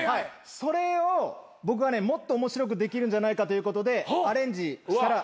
それを僕はねもっと面白くできるんじゃないかということでアレンジしたら。